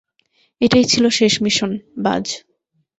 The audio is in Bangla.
এটাই ছিল শেষ মিশন, বায।